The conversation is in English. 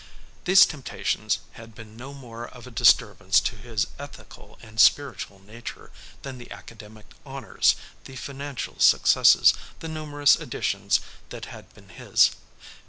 These temptations had been no more of a disturbance to his ethical and spiritual nature than the academic honors, the financial successes, the numerous editions that had been his.